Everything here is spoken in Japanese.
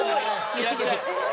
いらっしゃい。